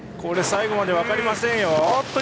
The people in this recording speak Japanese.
最後まで分かりませんよ。